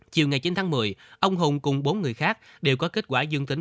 chiều ngày chín tháng một mươi ông hùng cùng bốn người khác đều có kết quả dương tính